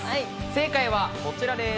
正解はこちらです。